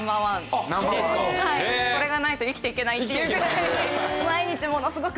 これがないと生きていけないっていうぐらい。